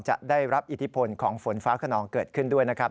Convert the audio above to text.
จะได้รับอิทธิพลของฝนฟ้าขนองเกิดขึ้นด้วยนะครับ